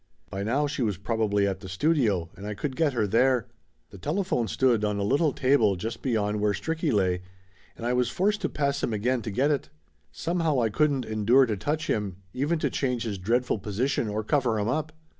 By now she was probably at the studio, and I could get her there. The telephone stood on a little table just beyond where Stricky lay, and I was forced to pass him again to get it. Somehow I couldn't endure to touch him, even to change his dreadful position or cover him up.